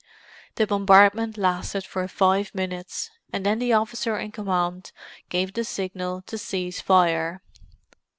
The bombardment lasted for five minutes, and then the officer in command gave the signal to cease fire.